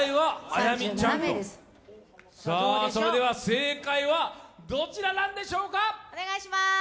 正解はどちらなんでしょうか。